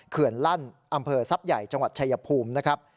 เขื่อลั่นอำเภอทรัพย์ใหญ่จังหวัดชายภูมินะครับ